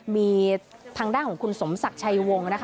มีทางด้านของคุณสมศักดิ์ชัยวงศ์นะคะ